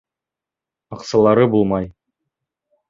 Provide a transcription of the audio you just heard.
Аҡсалары булмай.